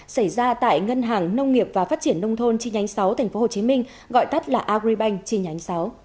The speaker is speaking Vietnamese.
xảy ra tại ngân hàng nông nghiệp và phát triển nông thôn chi nhánh sáu tp hcm gọi tắt là agribank chi nhánh sáu